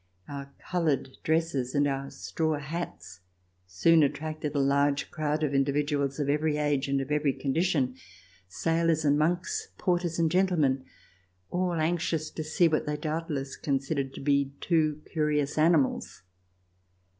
Our colored dresses and our straw hats soon attracted a large crowd of individuals of every age and of every condition: sailors and monks, porters and gentlemen — all anxious to see what they doubtless considered to be two curious animals.